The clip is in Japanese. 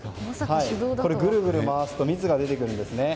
これ、ぐるぐる回すと蜜が出てくるんですよね。